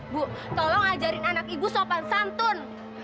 bu tolong ajarin anak ibu sopan santun